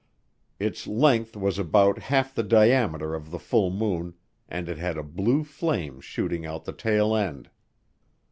Its length was about half the diameter of the full moon, and it had a blue flame shooting out the tail end.